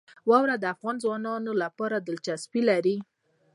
واوره د افغان ځوانانو لپاره دلچسپي لري.